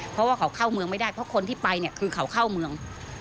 เพราะว่าเขาเข้าเมืองไม่ได้เพราะคนที่ไปเนี่ยคือเขาเข้าเมือง